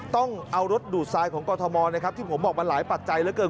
ต้องเอารถดูดทรายของกรทมนะครับที่ผมบอกมาหลายปัจจัยเหลือเกิน